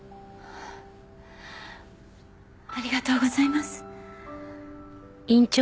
ありがとうございます。